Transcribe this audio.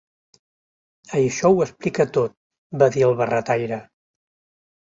Això ho explica tot", va dir el barretaire.